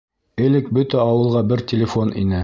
Элек бөтә ауылға бер телефон ине.